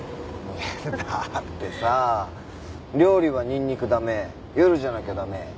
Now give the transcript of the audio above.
だってさ料理はニンニクダメ夜じゃなきゃダメ。